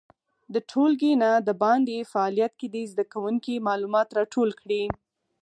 د ټولګي نه د باندې فعالیت کې دې زده کوونکي معلومات راټول کړي.